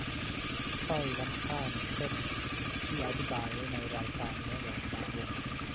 สร้อยล้ำค่าหนึ่งเส้นที่อธิบายไว้ในรายการและแหวนบางวง